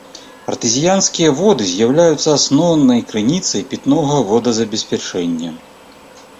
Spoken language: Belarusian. Артэзіянскія воды з'яўляюцца асноўнай крыніцай пітнога водазабеспячэння.